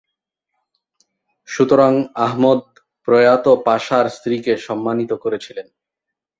সুতরাং আহমদ প্রয়াত পাশার স্ত্রীকে সম্মানিত করেছিলেন।